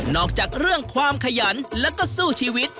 อกจากเรื่องความขยันแล้วก็สู้ชีวิต